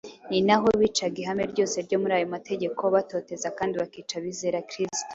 ni naho bicaga ihame ryose ryo muri ayo mategeko batoteza kandi bakica abizera Kristo.